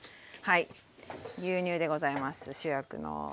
牛乳でございます主役の。